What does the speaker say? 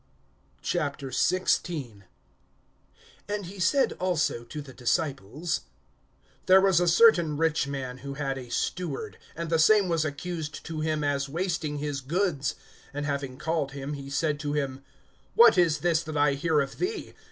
XVI. AND he said also to the disciples: There was a certain rich man, who had a steward; and the same was accused to him as wasting his goods. (2)And having called him, he said to him: What is this that I hear of thee?